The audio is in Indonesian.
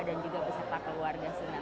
dan juga beserta keluarga